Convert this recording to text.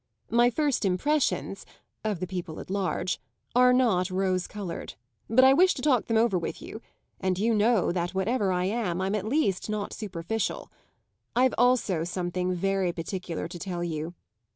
My first impressions (of the people at large) are not rose coloured; but I wish to talk them over with you, and you know that, whatever I am, at least I'm not superficial. I've also something very particular to tell you.